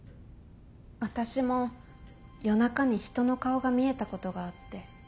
私も夜中に人の顔が見えたことがあって。